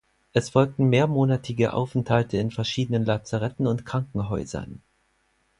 Es folgten mehrmonatige Aufenthalte in verschiedenen Lazaretten und Krankenhäusern.